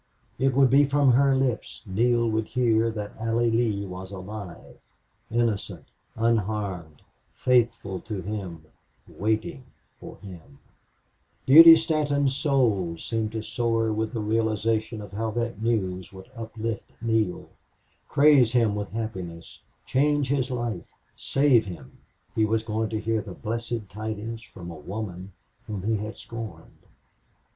It would be from her lips Neale would hear that Allie Lee was alive Beauty Stanton's soul seemed to soar with the realization of how that news would uplift Neale, craze him with happiness, change his life, save him. He was going to hear the blessed tidings from a woman whom he had scorned.